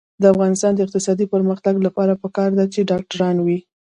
د افغانستان د اقتصادي پرمختګ لپاره پکار ده چې ډاکټران وي.